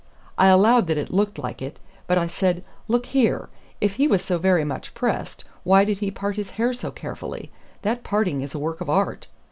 I allowed that it looked like it. But I said, 'Look here: if he was so very much pressed, why did he part his hair so carefully? That parting is a work of art.